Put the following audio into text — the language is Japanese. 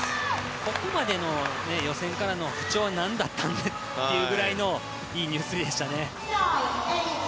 ここまでの予選からの不調は何だったんだというぐらいいい入水でしたね。